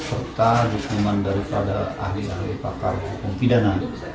serta dukungan daripada ahli ahli pakar hukum pidana